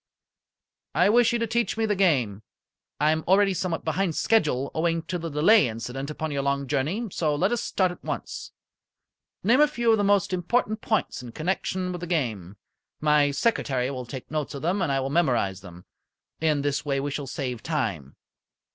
"I wish you to teach me the game. I am already somewhat behind schedule owing to the delay incident upon your long journey, so let us start at once. Name a few of the most important points in connection with the game. My secretary will make notes of them, and I will memorize them. In this way we shall save time.